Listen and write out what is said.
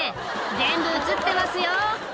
全部映ってますよ